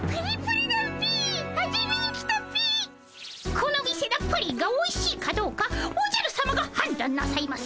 この店のプリンがおいしいかどうかおじゃるさまがはんだんなさいます。